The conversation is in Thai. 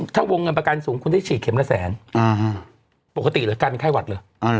ถ้าวงเงินประกันสูงคุณได้ฉีดเข็มละแสนปกติเหลือกันเป็นไข้หวัดเลย